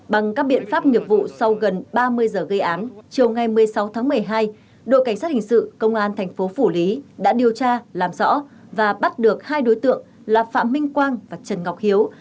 bằng các biện pháp nghiệp vụ sau gần ba mươi giờ gây án chiều ngày một mươi sáu tháng một mươi hai đội cảnh sát hình sự công an thành phố phủ lý đã điều tra làm rõ và bắt được hai đối tượng là phạm minh quang và trần ngọc hiếu